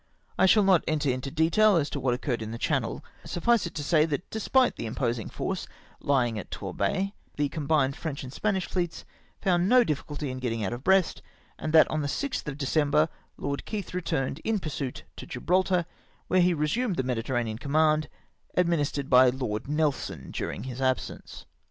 I shall not enter hito detail as to what occmTcd in the Chamiel ; suffice it to say that despite the im posing force lying at Torbay, the combmed French and Spanish fleets found no difficulty m getting out of Brest, and that on the 6th of December Lord Keith returned in pursuit to Gibraltar, where he resumed the Mediter ranean command, administered by Lord Nelson durmg his absence.